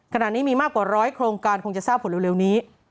ขณะนี้มีมากกว่าร้อยโครงการคงจะทราบผลเร็วนี้